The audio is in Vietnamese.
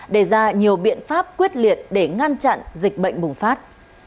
đề ra nhiều biện pháp quyết liệt để ngăn chặn dịch bệnh bùng phát